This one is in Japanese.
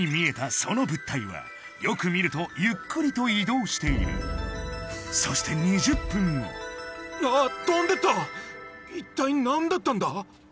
その物体はよく見るとゆっくりと移動しているそして２０分後ああっ飛んでった一体何だったんだ